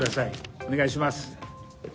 お願いします。